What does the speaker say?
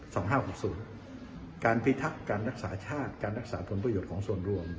สองห้าหกศูนย์การพิทักษ์การรักษาชาติการรักษาผลประโยชน์ของส่วนรวม